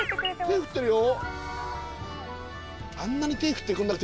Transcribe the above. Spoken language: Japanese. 手振ってるよ。